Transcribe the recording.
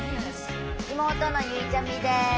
妹のゆいちゃみです。